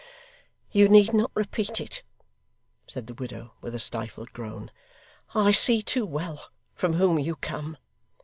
'You need not repeat it,' said the widow, with a stifled groan; 'I see too well from whom you come.